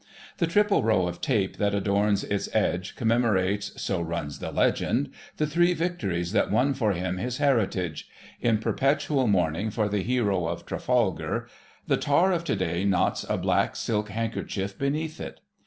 The triple row of tape that adorns its edge commemorates (so runs the legend) the three victories that won for him his heritage; in perpetual mourning for the hero of Trafalgar, the tar of to day knots a black silk handkerchief beneath it.